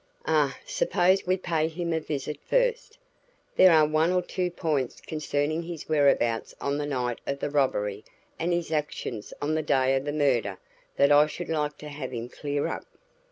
"Ah suppose we pay him a visit first. There are one or two points concerning his whereabouts on the night of the robbery and his actions on the day of the murder that I should like to have him clear up."